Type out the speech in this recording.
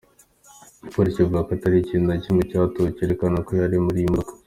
Igipolisi kivuga ko ata kintu na kimwe catoye cerekana ko yari muri iyo modoka.